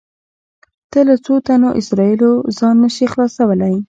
ته له څو تنو اسرایلو ځان نه شې خلاصولی.